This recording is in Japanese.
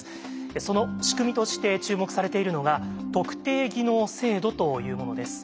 その仕組みとして注目されているのが特定技能制度というものです。